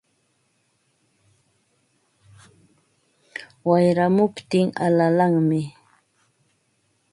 Wayramuptin alalanmi